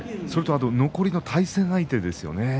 残りの対戦相手ですよね。